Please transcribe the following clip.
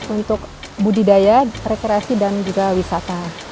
untuk budidaya rekreasi dan juga wisata